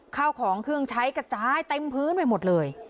ข้าวของเครื่องใช้กระจายเต็มพื้นไปหมดเลย